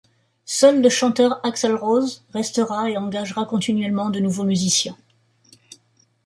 Seul le chanteur Axl Rose restera et engagera continuellement de nouveaux musiciens.